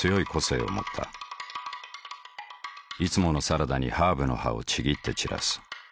いつものサラダにハーブの葉をちぎって散らす。